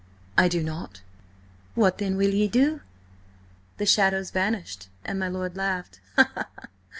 "I do not." "What then will you do?" The shadows vanished, and my lord laughed.